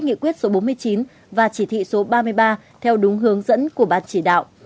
nghị quyết số bốn mươi chín và chỉ thị số ba mươi ba theo đúng hướng dẫn của ban chỉ đạo